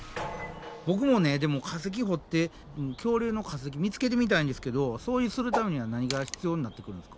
ボクもねでも化石掘って恐竜の化石見つけてみたいんですけどそうするためには何が必要になってくるんですか？